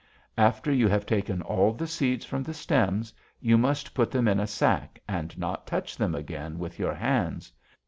"'After you have taken all the seeds from the stems, you must put them in a sack and not touch them again with your hands.